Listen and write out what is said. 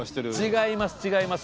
違います違います。